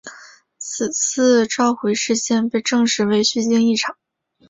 此次召回事件被证实为虚惊一场。